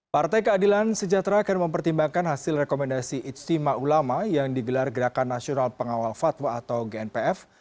partai keadilan sejahtera akan mempertimbangkan hasil rekomendasi ijtima ulama yang digelar gerakan nasional pengawal fatwa atau gnpf